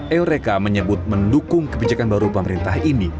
eureka menyebut mendukung kebijakan baru pemerintah ini